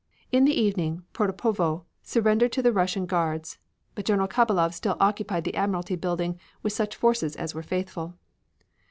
In the evening Protopovo surrendered to the Russian guards, but General Khabalov still occupied the Admiralty building with such forces as were faithful.